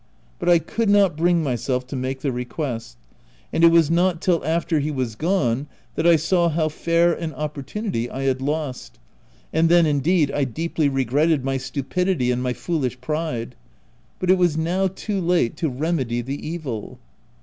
But I could not bring myself to make the request ; and it was not till after he OF WILDFELL HALL. 267 was gone, that I saw how fair an opportunity I had lost ;— and then, indeed, I deeply regretted my stupidity and my foolish pride ; but it was now too late to remedy the evil.